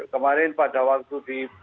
kemarin pada waktu di